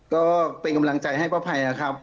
ก็เป็นกำลังใจให้ป้าภัยครับ